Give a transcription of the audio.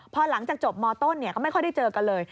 พอหลังจากจบมต้นก็ไม่ค่อยได้เจอกันเลย